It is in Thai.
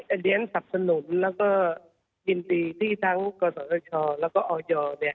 อันนี้สับสนุนแล้วก็ยินดีที่ทั้งกศชแล้วก็ออย